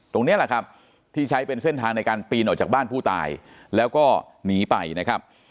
ตรงนี้แหละครับที่ใช้เป็นเส้นทางในการปีนออกจากบ้านผู้ตายแล้วก็หนีไปนะครับ